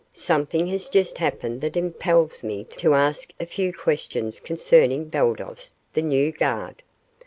"Something has just happened that impels me to ask a few questions concerning Baldos, the new guard."